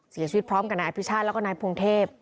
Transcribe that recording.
เสียชีวิตพร้อมกับนายอภิชาติแล้วก็นายพงเทพ